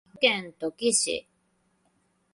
岐阜県土岐市